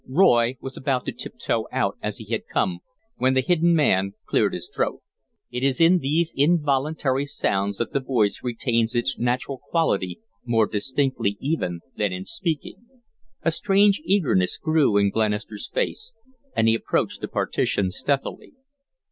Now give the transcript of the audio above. Roy was about to tiptoe out as he had come when the hidden man cleared his throat. It is in these involuntary sounds that the voice retains its natural quality more distinctly even than in speaking, A strange eagerness grew in Glenister's face and he approached the partition stealthily.